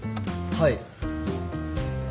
はい。